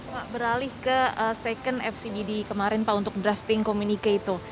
pak beralih ke second fcbd kemarin pak untuk drafting communica itu